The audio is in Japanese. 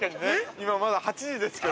今まだ８時ですけど。